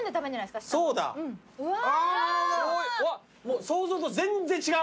うわもう想像と全然違う。